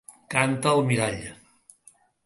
Canta al mirall.